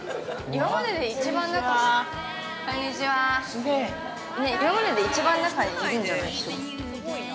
今までで一番、中いるんじゃない、人。